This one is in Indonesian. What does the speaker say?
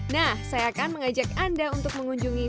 nah saya akan mengajak anda untuk mengunjungi